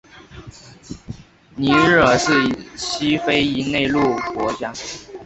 尼日尔是西非一内陆国家。